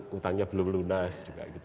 hutangnya belum lunas juga